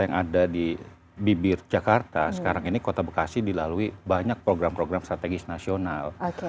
yang ada di bibir jakarta sekarang ini kota bekasi dilalui banyak program program strategis nasional